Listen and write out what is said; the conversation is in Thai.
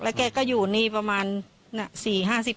แกก็อยู่นี่ประมาณ๔๕๐ปี